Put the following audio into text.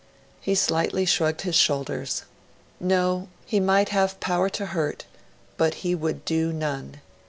He slightly shrugged his shoulders. No; he might have 'power to hurt', but he would 'do none'.